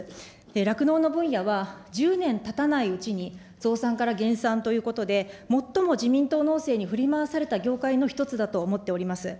酪農の分野は１０年たたないうちに、増産から減産ということで、最も自民党農政に振り回された業界の一つだと思っております。